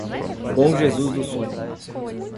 Bom Jesus do Sul